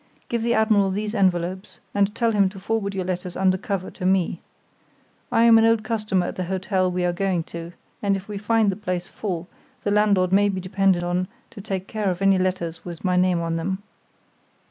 Give the admiral these envelopes, and tell him to forward your letters under cover to me. I am an old customer at the hotel we are going to; and if we find the place full, the landlord may be depended on to take care of any letters with my name on them.